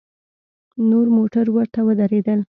نور موټر ورته ودرېدل.